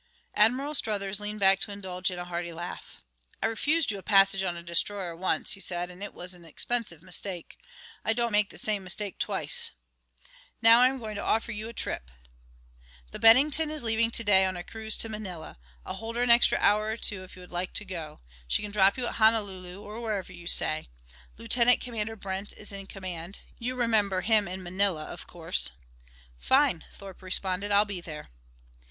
Admiral Struthers leaned back to indulge in a hearty laugh. "I refused you a passage on a destroyer once," he said, "and it was an expensive mistake. I don't make the same mistake twice. Now I am going to offer you a trip.... "The Bennington is leaving to day on a cruise to Manila. I'll hold her an extra hour or two if you would like to go. She can drop you at Honolulu or wherever you say. Lieutenant Commander Brent is in command you remember him in Manila, of course." "Fine," Thorpe responded. "I'll be there."